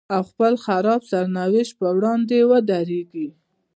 او خپل خراب سرنوشت په وړاندې ودرېږي.